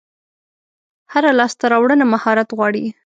هره لاسته راوړنه مهارت غواړي.